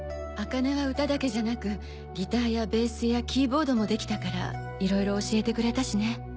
朱音は歌だけじゃなくギターやベースやキーボードもできたからいろいろ教えてくれたしね。